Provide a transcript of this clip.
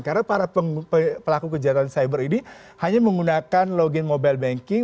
karena para pelaku kejahatan cyber ini hanya menggunakan login mobile banking